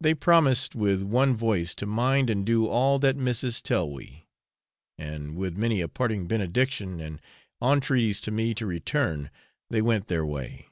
They promised with one voice to mind and do all that 'missis tell we;' and with many a parting benediction, and entreaties to me to return, they went their way.